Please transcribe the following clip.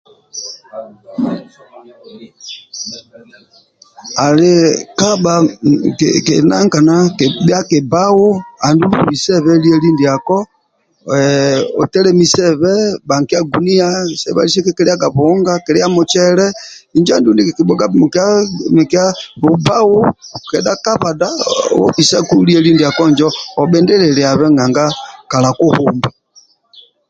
Ali kabha ki ki nankana bhia kibbau andulu obisebe lieli ndiako hhh otelemisebe bhanikia guinia sebhalisio kikiliaga buhunga kilia mucele injo andulu ndiki bubbau kedha kabada obisaku lieli ndiako nanga kala kuhumba